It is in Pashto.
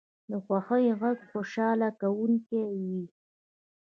د خوښۍ غږ خوشحاله کوونکی وي